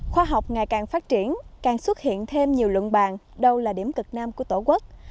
khoa học ngày càng phát triển càng xuất hiện thêm nhiều lượng bàn đâu là điểm cực nam của tổ quốc